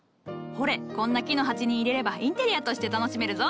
ほれこんな木の鉢に入れればインテリアとして楽しめるぞ。